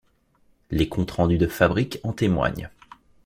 Les comptes-rendus de fabriques en témoignent.